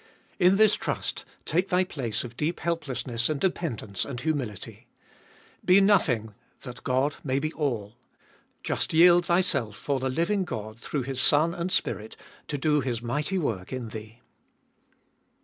3. In this trust take thy place of deep helplessness and dependence and humility. Be nothing that God may be all. Just yield thyself for the living God through His Son and Spirit to do His mighty work In thee.